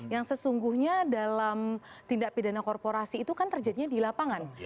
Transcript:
yang sesungguhnya dalam tindak pidana korporasi itu kan terjadinya di lapangan